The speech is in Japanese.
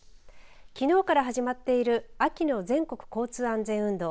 きのうから始まっている秋の全国交通安全運動。